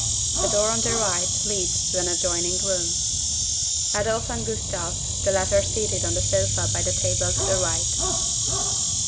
A door on the right leads to an adjoining room.) (ADOLPH and GUSTAV, the latter seated on the sofa by the table to the right.)